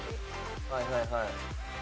はいはいはい。